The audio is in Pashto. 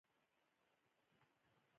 خدایه ستا څومره بېشانه معجزات دي